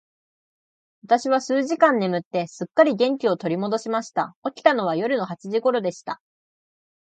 私は数時間眠って、すっかり元気を取り戻しました。起きたのは夜の八時頃でした。